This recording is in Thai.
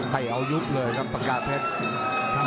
ไปเอายุทธ์เลยครับปากกาเพชร